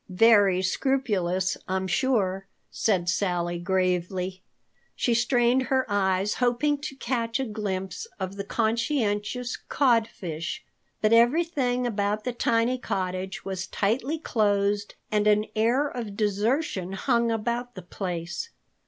"Very scrupulous, I'm sure," said Sally gravely. She strained her eyes, hoping to catch a glimpse of the conscientious Codfish. But everything about the tiny cottage was tightly closed, and an air of desertion hung about the place.